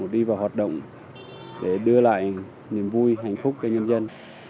đi vào hoạt động để đưa lại niềm vui hạnh phúc cho nhân dân